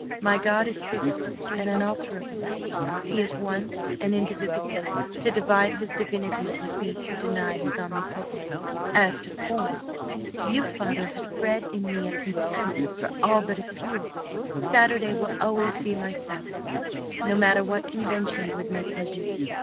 My God is fixed and unalterable; he is one and indivisible; to divide his divinity would be to deny his omnipotence. As to forms, you, Father, have bred in me a contempt for all but a few. Saturday will always be my Sabbath, no matter what convention would make me do.